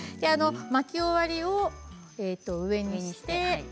巻き終わりを上にして。